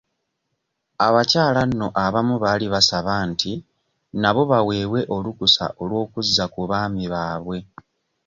Abakyala nno abamu baali basaba nti nabo baweebwe olukusa olw'okuzza ku abaami baabwe.